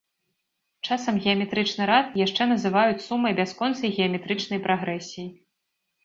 Часам геаметрычны рад яшчэ называюць сумай бясконцай геаметрычнай прагрэсіі.